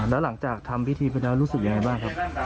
แล้วหลังจากทำพิธีไปแล้วรู้สึกยังไงบ้างครับ